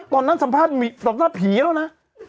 ตอนนั้นสัมภาษณ์ผีแล้วนะ